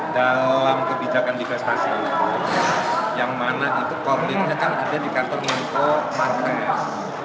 dalam kebijakan divestasi itu yang mana itu komplitnya kan ada di kartu info markas